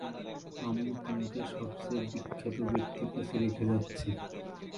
আমি তোমাকে সবচেয়ে বিখ্যাত ব্যক্তির কাছে রেখে যাচ্ছি।